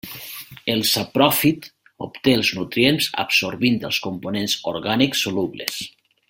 El sapròfit obté els nutrients absorbint els components orgànics solubles.